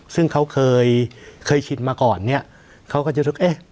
ซึ่งเขาเคยเคยชินมาก่อนเนี่ยเขาก็จะนึกเอ๊ะ